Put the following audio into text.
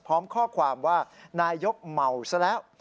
พร้อมข้อความว่านายกเมาซะแล้ว